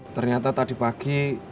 ternyata tadi pagi